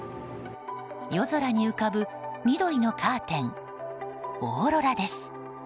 夜空に浮かぶ、緑のカーテンオーロラです。